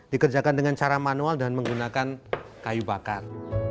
dikerjakan dengan cara manual dan menggunakan kayu bakar